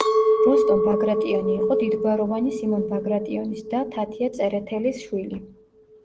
როსტომ ბაგრატიონი იყო დიდგვაროვანი სიმონ ბაგრატიონის და თათია წერეთელის შვილი.